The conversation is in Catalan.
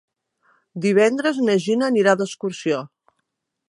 Divendres na Gina anirà d'excursió.